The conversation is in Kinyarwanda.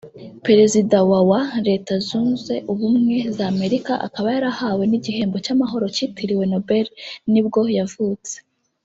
perezida wa wa Leta zunze ubumwe za Amerika akaba yarahawe n’igihembo cy’amahoro cyitiriwe Nobel nibwo yavutse